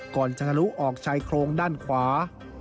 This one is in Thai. ก่อนจะทะลุออกชายโครงด้านขวา